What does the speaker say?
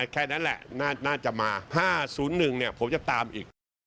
แค่นั้นแหละน่าจะมา๕๐๑ผมจะตามอีก